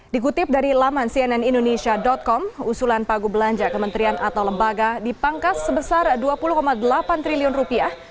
dikutip dari laman cnnindonesia com usulan pagu belanja kementerian atau lembaga dipangkas sebesar dua puluh delapan triliun rupiah